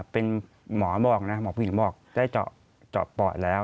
เป็นหมอบอกนะหมอผู้หญิงบอกได้เจาะปอดแล้ว